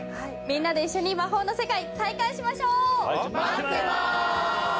みんなで一緒に魔法の世界体感しましょう！